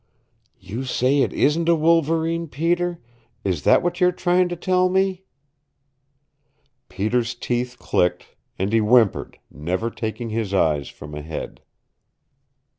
"You say it isn't a wolverine, Peter? Is that what you're trying to tell me?" Peter's teeth clicked, and he whimpered, never taking his eyes from ahead.